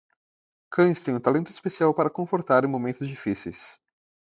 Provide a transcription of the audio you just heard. Cães têm um talento especial para confortar em momentos difíceis.